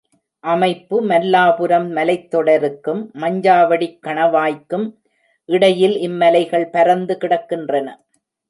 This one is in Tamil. அமைப்பு மல்லாபுரம் மலைத்தொடருக்கும் மஞ்சவாடிக் கணவாய்க்கும் இடையில் இம்மலைகள் பரந்து கிடக்கின்றன.